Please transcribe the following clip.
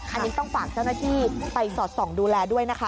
อันนี้ต้องฝากเจ้าหน้าที่ไปสอดส่องดูแลด้วยนะคะ